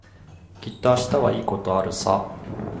きっと明日はいいことあるさ。